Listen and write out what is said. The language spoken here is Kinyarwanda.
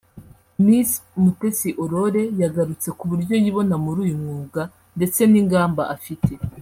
Miss Mutesi Aurore yagarutse ku buryo yibona muri uyu mwuga ndetse n’ingamba afite